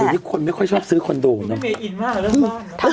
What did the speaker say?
ทุกคนไม่ค่อยชอบซื้อคอนโดไม่ฮะทั้งอยู่ทั้ง